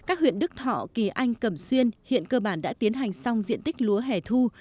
các huyện đức thọ kỳ anh cẩm xuyên hiện cơ bản đã tiến hành xong diện tích lúa hẻ thu